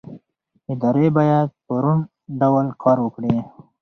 ادارې باید په روڼ ډول کار وکړي